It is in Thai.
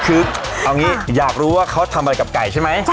คือเอางี้อยากรู้ว่าเขาทำอะไรกับไก่ใช่ไหม